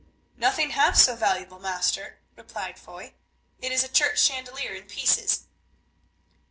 "Nothing half so valuable, master," replied Foy; "it is a church chandelier in pieces."